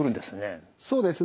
そうですね。